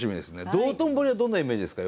道頓堀はどんなイメージですか？